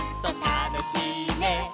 「たのしいね」